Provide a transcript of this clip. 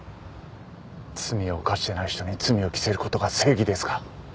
罪を犯してない人に罪を着せることが正義ですか？